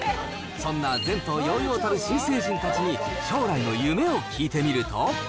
そんな前途洋々たる新成人たちに、将来の夢を聞いてみると。